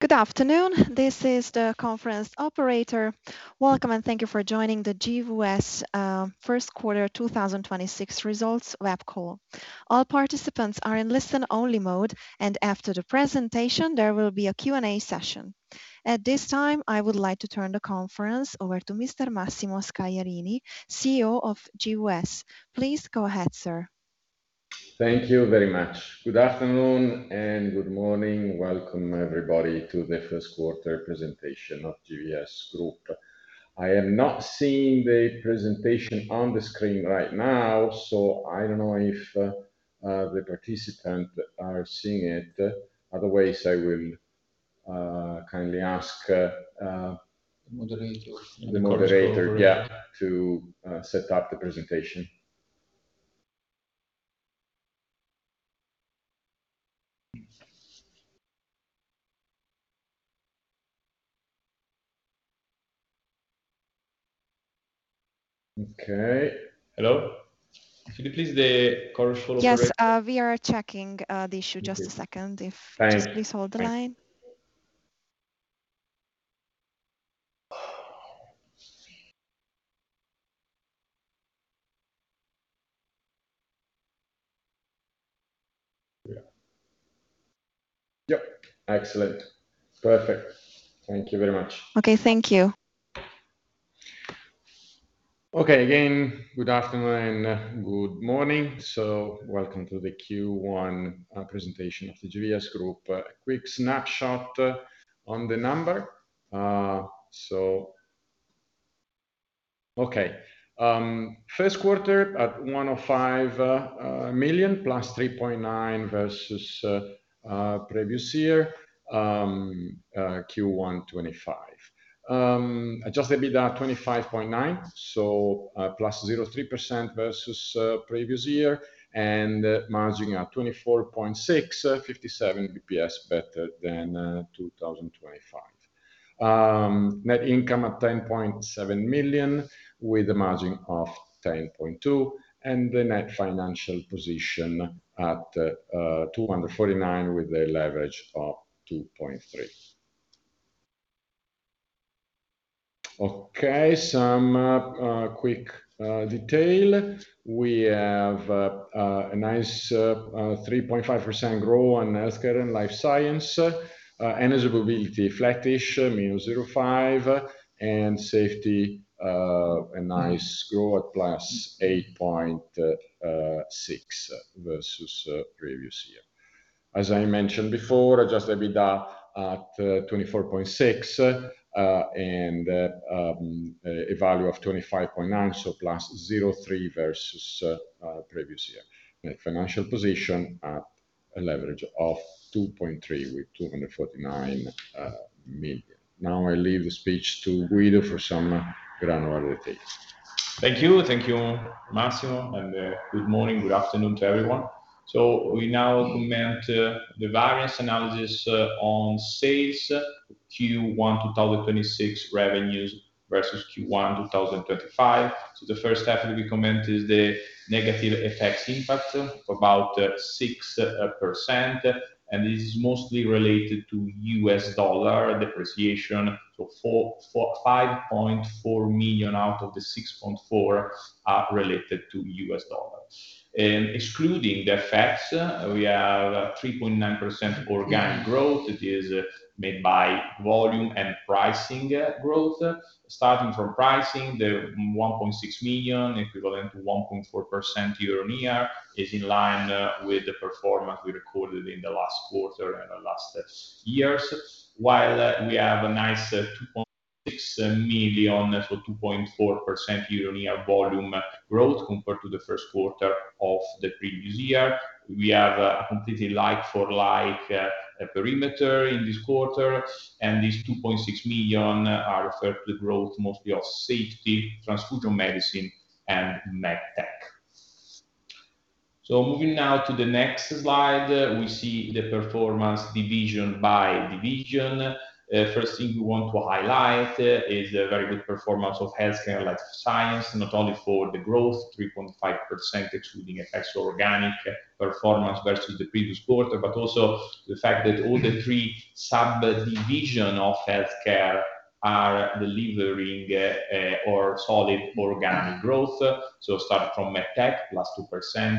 Good afternoon. This is the conference operator. Welcome, and thank you for joining the GVS First Quarter 2026 results web call. All participants are in listen-only mode, and after the presentation, there will be a Q&A session. At this time, I would like to turn the conference over to Mr. Massimo Scagliarini, CEO of GVS. Please go ahead, sir. Thank you very much. Good afternoon and good morning. Welcome, everybody, to the 1st Quarter Presentation of GVS Group. I am not seeing the presentation on the screen right now, so I don't know if the participants are seeing it otherwise I will kindly ask the moderator, yeah, to set up the presentation. Okay. Hello? Could you please, the call operator? Yes. We are checking the issue. Just a second. Thanks. Just please hold the line. Yep. Excellent. Perfect. Thank you very much. Okay. Thank you. Again, good afternoon and good morning. Welcome to the Q1 Presentation of the GVS Group. A quick snapshot on the number. First quarter at 105 million +3.9% versus previous year, Q1 2025. Adjusted EBITDA at 25.9 million, +0.3% versus previous year, and margin at 24.6%, 57 BPS better than 2025. Net income at 10.7 million, with a margin of 10.2%, and the net financial position at 249 million, with a leverage of 2.3x. Some quick detail. We have a nice 3.5% growth on Healthcare and Life Science. Energy & Mobility flattish, -0.5%. Safety, a nice growth, +8.6% versus previous year. As I mentioned before, adjusted EBITDA at 24.6 and a value of 25.9, so +0.3% versus previous year. Net financial position at a leverage of 2.3 with 249 million. I leave the speech to Guido for some granular details. Thank you. Thank you, Massimo, and good morning, good afternoon to everyone. We now comment the various analysis on sales Q1 2026 revenues versus Q1 2025. The first step that we comment is the negative FX impact of about 6%, and this is mostly related to US dollar depreciation. 5.4 million out of the 6.4 million are related to USD. Excluding the effects, we have a 3.9% organic growth that is made by volume and pricing growth. Starting from pricing, the 1.6 million, equivalent to 1.4% year-over-year, is in line with the performance we recorded in the last quarter and the last years. While we have a nice 2.6 million, so 2.4% year-on-year volume growth compared to the first quarter of the previous year. We have a completely like for like perimeter in this quarter, and these 2.6 million are referred to the growth mostly of Safety, Transfusion Medicine, and MedTech. Moving now to the next slide, we see the performance division by division. First thing we want to highlight is the very good performance of Healthcare and Life Science, not only for the growth, 3.5% excluding FX organic performance versus the previous quarter, but also the fact that all the three sub-division of healthcare are delivering a solid organic growth. Starting from MedTech, plus 2%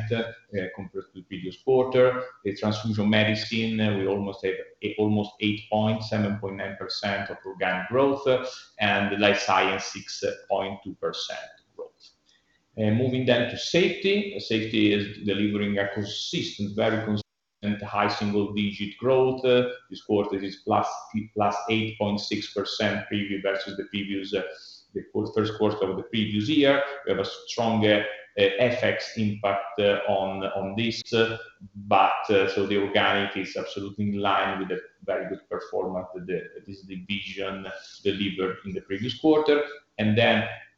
compared to the previous quarter. The Transfusion Medicine, we almost have 7.9% of organic growth, Life Sciences 6.2% growth. Moving then to Safety. Safety is delivering a very consistent high single-digit growth. This quarter it is +8.6% preview versus the previous, the first quarter of the previous year. We have a stronger FX impact on this, the organic is absolutely in line with the very good performance that this division delivered in the previous quarter.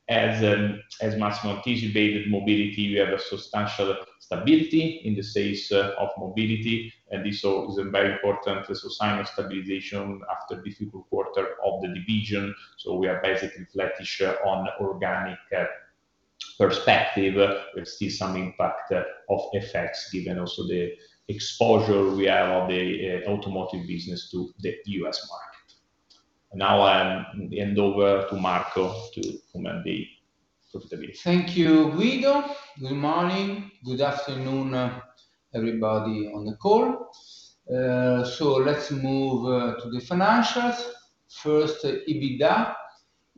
As Massimo anticipated, Mobility, we have a substantial stability in the sales of Mobility, this also is a very important sign of stabilization after difficult quarter of the division. We are basically flattish on organic. Perspective, we see some impact of effects given also the exposure we have of the automotive business to the U.S. market. Now, hand over to Marco to comment the profitability. Thank you, Guido. Good morning. Good afternoon, everybody on the call. Let's move to the financials. First, EBITDA.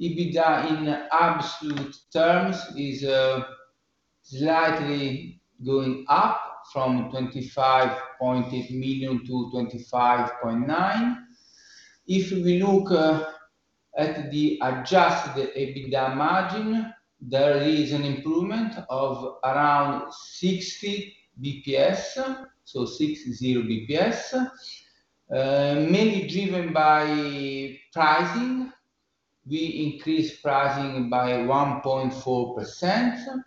EBITDA in absolute terms is slightly going up from 25.8 million to 25.9 million. If we look at the adjusted EBITDA margin, there is an improvement of around 60 basis points, so 60 basis points, mainly driven by pricing. We increased pricing by 1.4%.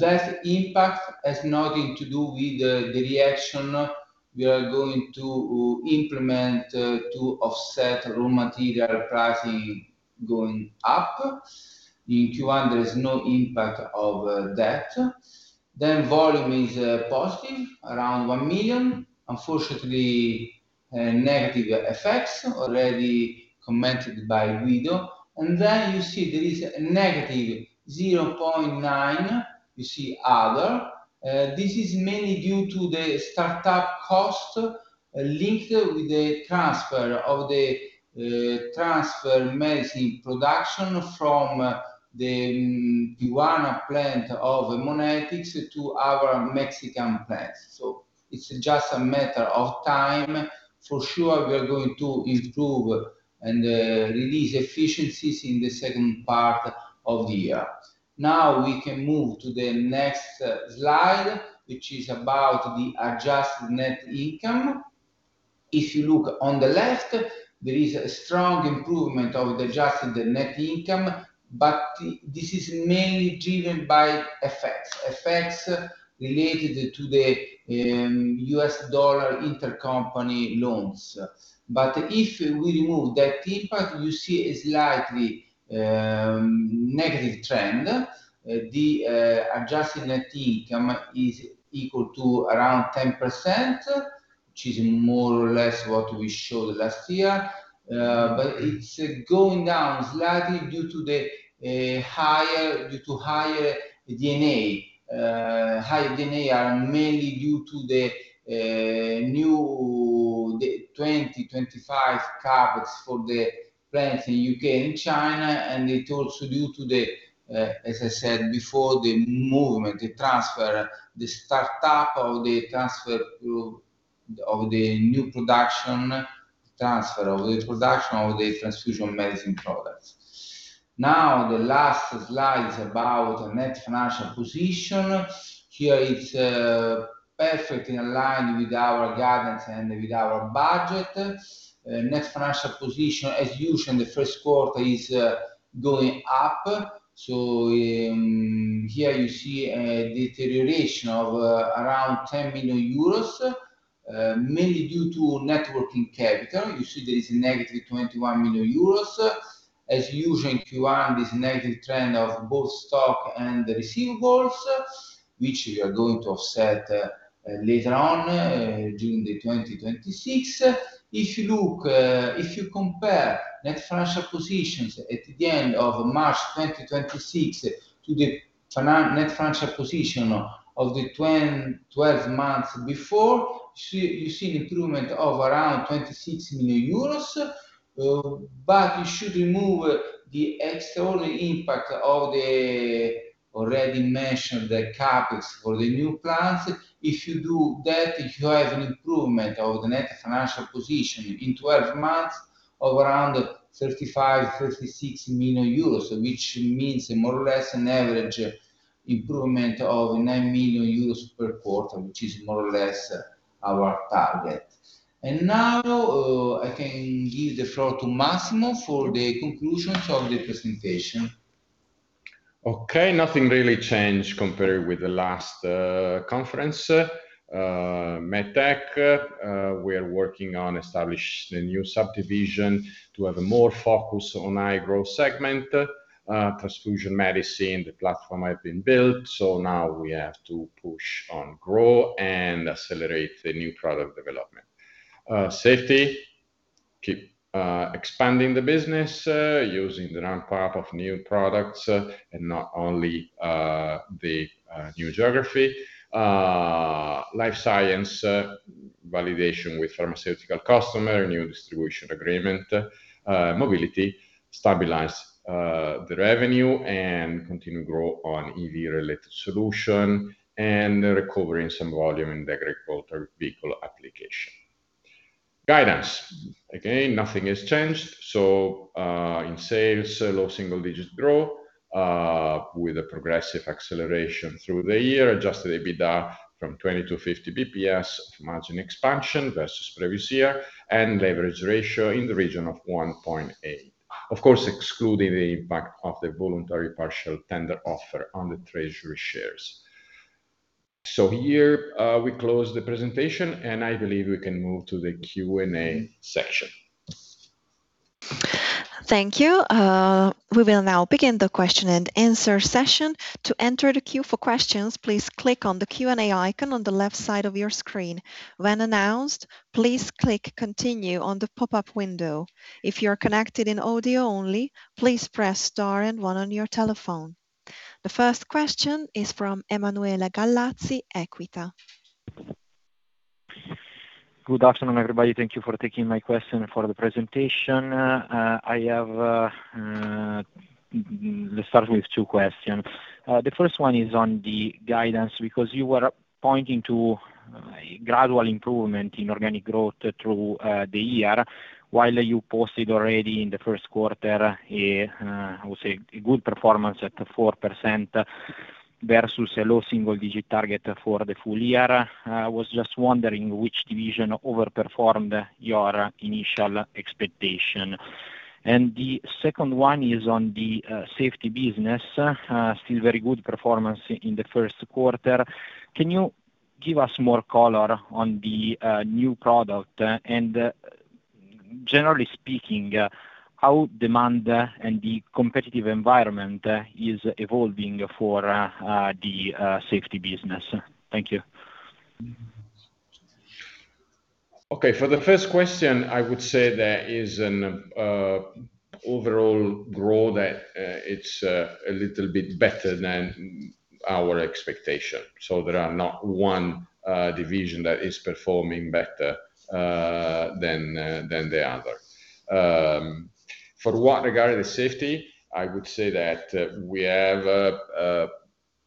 That impact has nothing to do with the reaction we are going to implement to offset raw material pricing going up. In Q1, there is no impact of that. Volume is positive, around 1 million. Unfortunately, negative effects already commented by Guido. You see there is a negative 0.9 million, you see other. This is mainly due to the startup cost linked with the transfer of the Transfusion Medicine production from the Tijuana plant of Haemonetics to our Mexican plants. It's just a matter of time. For sure, we are going to improve and release efficiencies in the second part of the year. We can move to the next slide, which is about the Adjusted Net Income. If you look on the left, there is a strong improvement of the Adjusted Net Income, but this is mainly driven by effects related to the US dollar intercompany loans. If we remove that impact, you see a slightly negative trend. The Adjusted Net Income is equal to around 10%, which is more or less what we showed last year. It's going down slightly due to higher D&A. Higher D&A are mainly due to the 2025 CapEx for the plants in U.K. and China. It also due to, as I said before, the movement, the startup of the transfer to of the new production, transfer of the production of the Transfusion Medicine products. The last slide is about net financial position. Here it's perfectly aligned with our guidance and with our budget. Net financial position, as usual, in the first quarter is going up. Here you see a deterioration of around 10 million euros, mainly due to working capital. You see there is a negative 21 million euros. As usual in Q1, this negative trend of both stock and the receivables, which we are going to offset later on during the 2026. If you look, if you compare net financial positions at the end of March 2026 to the net financial position of the twelve months before, you see an improvement of around 26 million euros. You should remove the extraordinary impact of the already mentioned, the CapEx for the new plants. If you do that, if you have an improvement of the net financial position in twelve months of around 35 million-36 million euros, which means more or less an average improvement of 9 million euros per quarter, which is more or less our target. Now, I can give the floor to Massimo for the conclusions of the presentation. Okay. Nothing really changed compared with the last conference. MedTech, we are working on establish the new subdivision to have more focus on high-growth segment. Transfusion Medicine, the platform has been built, now we have to push on growth and accelerate the new product development. Safety, keep expanding the business, using the ramp-up of new products, and not only the new geography. Life Sciences, validation with pharmaceutical customer, new distribution agreement. Mobility, stabilize the revenue, and continue grow on EV-related solution and recovering some volume in the agricultural vehicle application. Guidance, again, nothing has changed. In sales, low single-digit growth with a progressive acceleration through the year. Adjusted EBITDA from 20 to 50 basis points of margin expansion versus previous year, leverage ratio in the region of 1.8. Of course, excluding the impact of the voluntary partial tender offer on the treasury shares. Here, we close the presentation, and I believe we can move to the Q&A section. Thank you. We will now begin the question and answer session. To enter the queue for questions, please click on the Q&A icon on the left side of your screen. When announced, please click continue on the pop-up window. If you're connected in audio only, please press star and one on your telephone. The first question is from Emanuele Gallazzi, EQUITA. Good afternoon, everybody. Thank you for taking my question and for the presentation. I have, let's start with two questions. The first one is on the guidance, you were pointing to a gradual improvement in organic growth through the year. You posted already in the first quarter a, I would say, a good performance at the 4% versus a low single-digit target for the full year. I was just wondering which division overperformed your initial expectation. The second one is on the Safety business. Still very good performance in the first quarter. Can you give us more color on the new product and, generally speaking, how demand and the competitive environment is evolving for the Safety business? Thank you. For the first question, I would say there is an overall growth that it's a little bit better than our expectation. There are not one division that is performing better than the other. For what regard to Safety, I would say that we have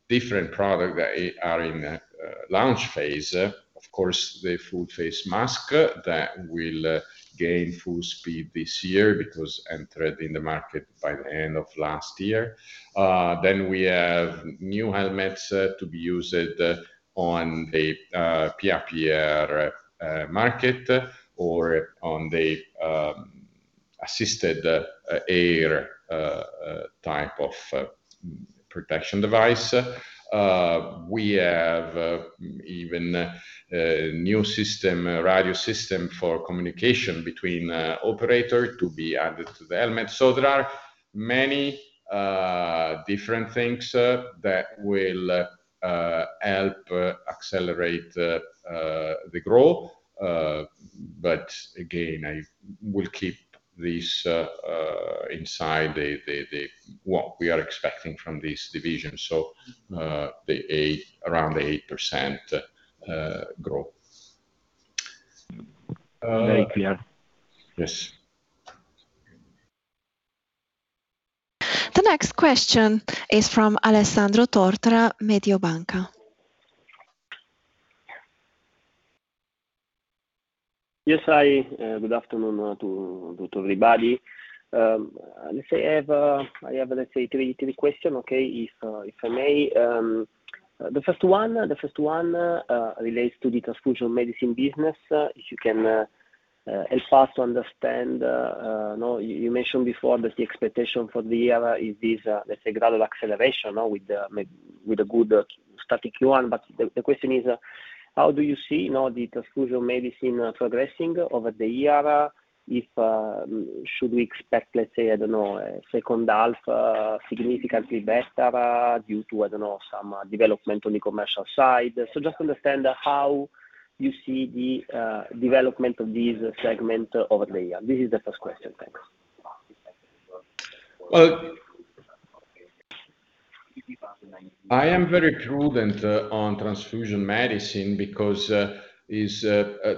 different product that are in launch phase. Of course, the Full Face Mask that will gain full speed this year because entered in the market by the end of last year. We have new helmets to be used on the PPE market or on the assisted air type of protection device. We have even a new system, a radio system for communication between operator to be added to the helmet. There are many different things that will help accelerate the growth. Again, I will keep this inside the what we are expecting from this division. The 8, around the 8% growth. Very clear. Yes. The next question is from Alessandro Tortora, Mediobanca. Yes, hi. Good afternoon to everybody. Let's say I have let's say three question, okay, if I may. The first one relates to the Transfusion Medicine business. If you can help us to understand, you know, you mentioned before that the expectation for the year is this, let's say, gradual acceleration with the good starting Q1. The question is, how do you see now the transfusion medicine progressing over the year? If should we expect, let's say, I don't know, second half significantly better due to, I don't know, some development on the commercial side? Just to understand how you see the development of this segment over the year. This is the first question. Thanks. I am very prudent on Transfusion Medicine because is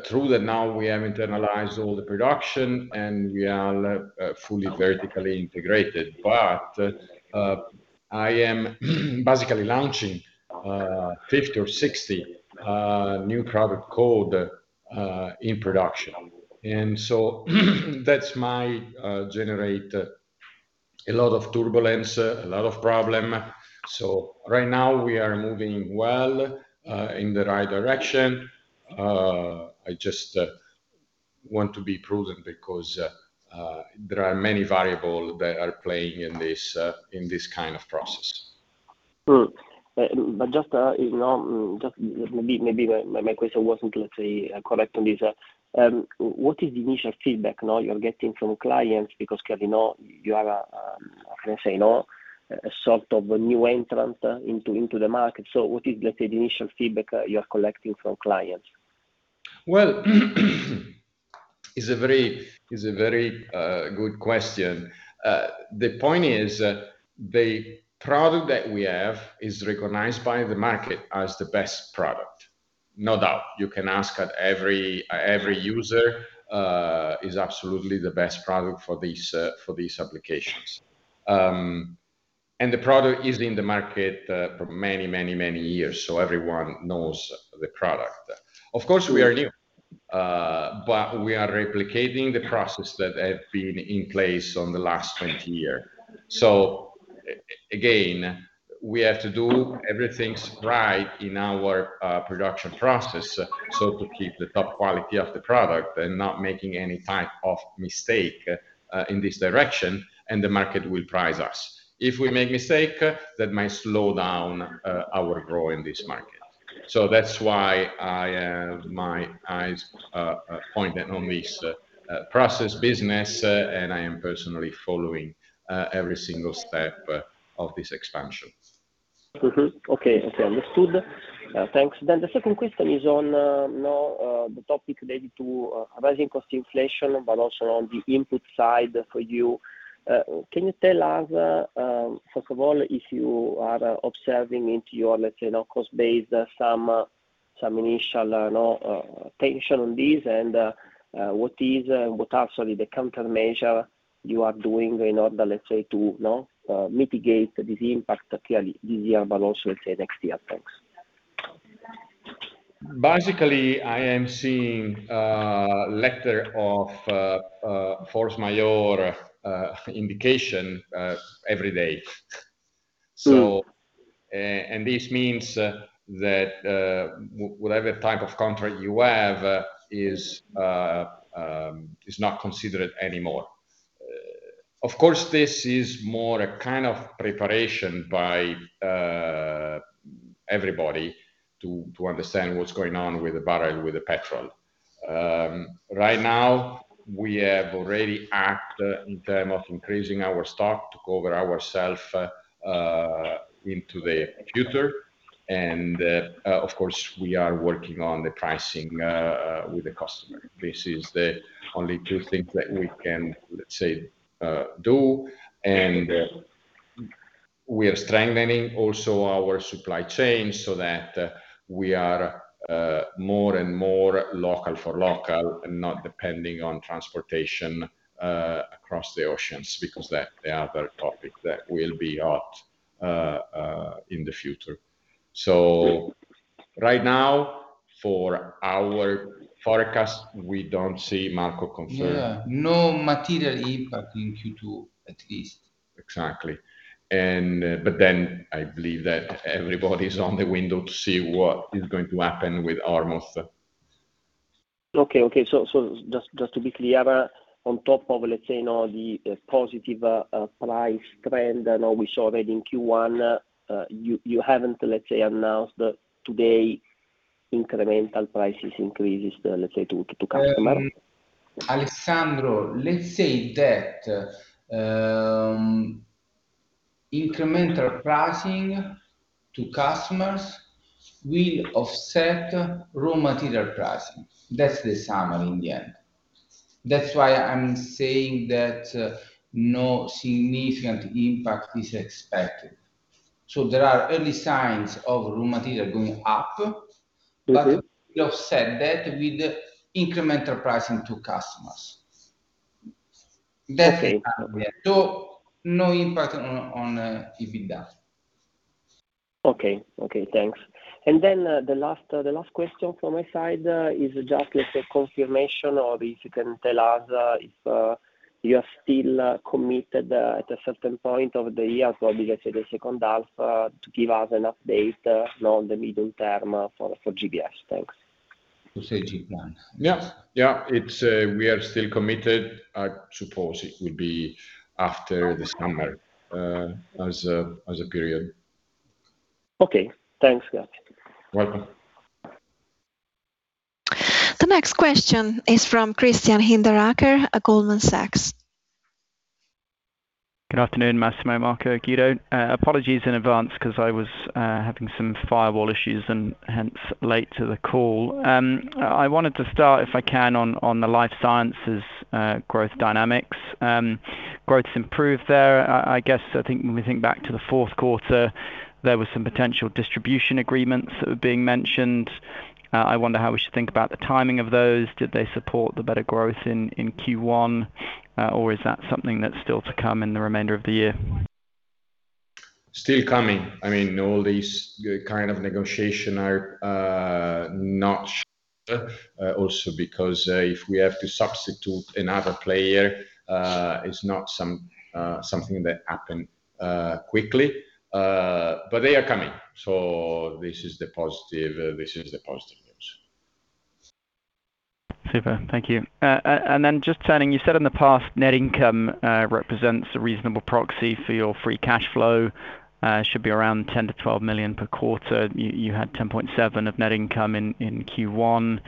true that now we have internalized all the production and we are fully vertically integrated. I am basically launching 50 or 60 new product code in production. That might generate a lot of turbulence, a lot of problem. Right now we are moving well in the right direction. I just want to be prudent because there are many variable that are playing in this in this kind of process. Just, you know, just maybe my question wasn't, let's say, correct on this. What is the initial feedback now you're getting from clients? Clearly now you are, let's say now, a sort of a new entrant into the market. What is, let's say, the initial feedback you are collecting from clients? Well, it's a very good question. The point is that the product that we have is recognized by the market as the best product. No doubt. You can ask every user, is absolutely the best product for these applications. The product is in the market for many years, so everyone knows the product. Of course, we are new, but we are replicating the process that have been in place on the last 20 year. Again, we have to do everything right in our production process so to keep the top quality of the product and not making any type of mistake in this direction, and the market will prize us. If we make mistake, that might slow down our growth in this market. That's why I have my eyes pointed on this process business, and I am personally following every single step of this expansion. Mm-hmm. Okay. Okay, understood. Thanks. The second question is on, you know, the topic related to rising cost inflation, but also on the input side for you. Can you tell us, first of all, if you are observing into your, let's say, you know, cost base, some initial, no, tension on this, and what is, what are sort of the countermeasure you are doing in order, let's say, to, you know, mitigate this impact, clearly this year, but also let's say next year? Thanks. Basically, I am seeing a letter of force majeure indication every day. This means that whatever type of contract you have is not considered anymore. Of course, this is more a kind of preparation by everybody to understand what's going on with the barrel, with the petrol. Right now we have already act in term of increasing our stock to cover ourself into the future. Of course, we are working on the pricing with the customer. This is the only two things that we can, let's say, do. We are strengthening also our supply chain so that we are more and more local for local and not depending on transportation across the oceans because that the other topic that will be hot in the future. Right now, for our forecast, we don't see, Marco. Yeah. No material impact in Q2 at least. Exactly. I believe that everybody's on the window to see what is going to happen with Hormuz. Okay. Just to be clear, on top of, let's say, you know, the positive price trend that, you know, we saw already in Q1, you haven't, let's say, announced today incremental prices increases, let's say to customer? Alessandro, let's say that incremental pricing to customers will offset raw material pricing. That's the summary in the end. That's why I'm saying that no significant impact is expected. There are early signs of raw material going up. We offset that with incremental pricing to customers. That's the summary. Okay. No impact on EBITDA. Okay. Okay. Thanks. The last question from my side is just, let's say, confirmation of if you can tell us if you are still committed at a certain point of the year, probably let's say the second half, to give us an update on the medium term for GVS. Thanks. We say G plan. Yeah. Yeah. It's. We are still committed. I suppose it will be after the summer, as a period. Okay. Thanks, guys. Welcome. The next question is from Christian Hinderaker at Goldman Sachs. Good afternoon, Massimo, Marco, and Guido. Apologies in advance 'cause I was having some firewall issues and hence late to the call. I wanted to start, if I can, on the Life Sciences growth dynamics. Growth's improved there. I guess, I think when we think back to the fourth quarter, there were some potential distribution agreements that were being mentioned. I wonder how we should think about the timing of those. Did they support the better growth in Q1, or is that something that's still to come in the remainder of the year? Still coming. I mean, all these kind of negotiation are not sure, also because, if we have to substitute another player, it's not something that happen quickly. They are coming, so this is the positive, this is the positive news. Super. Thank you. Then just turning, you said in the past net income represents a reasonable proxy for your free cash flow, should be around 10 million-12 million per quarter. You had 10.7 of net income in Q1,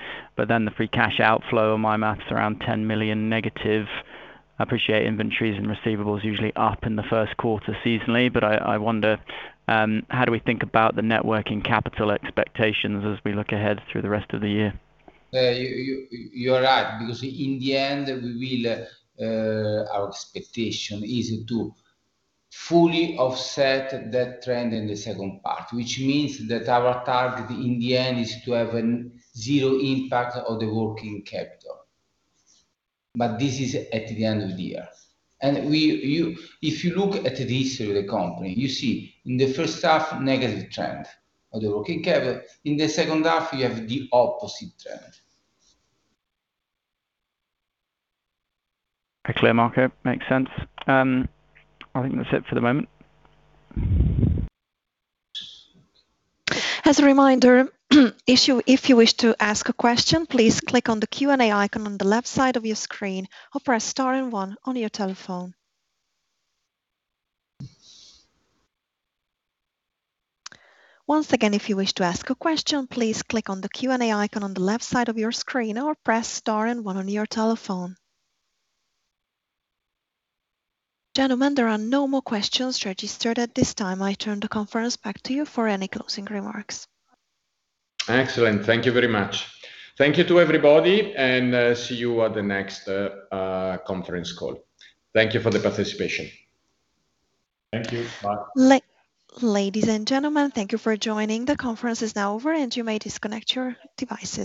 then the free cash outflow on my math's around 10 million negative. Appreciate inventories and receivables usually up in the first quarter seasonally, I wonder, how do we think about the net working capital expectations as we look ahead through the rest of the year? You're right because in the end we will, our expectation is to fully offset that trend in the second part, which means that our target in the end is to have a zero impact of the working capital. This is at the end of the year. If you look at the history of the company, you see in the first half, negative trend of the working capital. In the second half, you have the opposite trend. Clear, Marco. Makes sense. I think that's it for the moment. As a reminder, if you wish to ask a question, please click on the Q&A icon on the left side of your screen or press star and one on your telephone. Once again, if you wish to ask a question, please click on the Q&A icon on the left side of your screen or press star and one on your telephone. Gentlemen, there are no more questions registered at this time. I turn the conference back to you for any closing remarks. Excellent. Thank you very much. Thank you to everybody. See you at the next conference call. Thank you for the participation. Thank you. Bye. Ladies and gentlemen, thank you for joining. The conference is now over, and you may disconnect your devices.